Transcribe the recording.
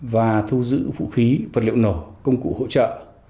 và thu giữ vũ khí vật liệu nổ công cụ hỗ trợ